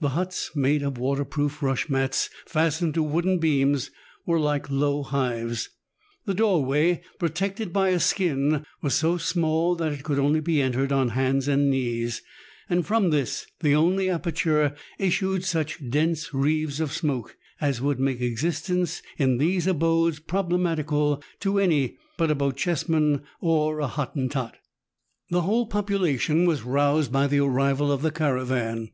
The huts, made of water proof rush mats fastened to wooden beams, were like low hives. The door way, protected by a skin, was so small that it could only be entered on hands and knees, and from this, the only aperture, issued such dense wreaths of smoke as would make existence in these abodes problematical to any but a Bochjesman or a Hottentot 78 MERTDIANA; THE ADVENTURES OF The whole population was roused by the arrival of the caravan.